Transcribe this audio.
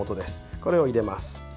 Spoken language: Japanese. これを入れます。